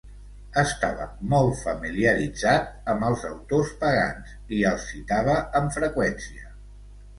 Estava molt familiaritzat amb els autors pagans, i els citava amb freqüència.